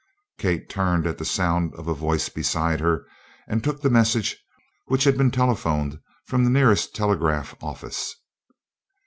Kate turned at the sound of a voice beside her, and took the message which had been telephoned from the nearest telegraph office.